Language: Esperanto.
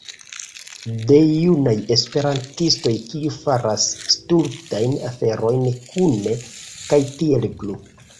De junaj Esperantistoj kiu faras stultajn aferojn kune kaj tiel plu